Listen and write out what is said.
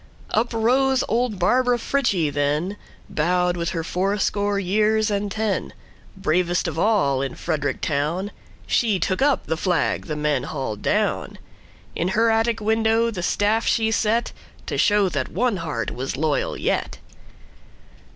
Up rose old Barbara Frietchie then, Bowed with her fourscore years and ten; Bravest of all in Frederick town, She took up the flag the men hauled down; In her attic window the staff she set, To show that one heart was loyal yet.